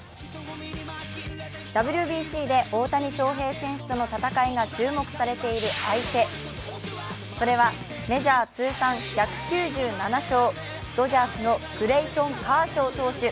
ＷＢＣで大谷翔平選手との戦いが注目されている相手、それはメジャー通算１９７勝、ドジャースのクレイトン・カーショウ選手。